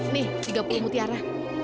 nih tiga puluh mutiara